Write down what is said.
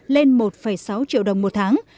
lên một sáu triệu đồng một tháng